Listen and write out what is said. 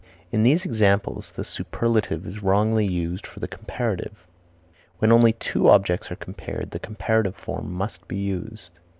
In these examples the superlative is wrongly used for the comparative. When only two objects are compared the comparative form must be used.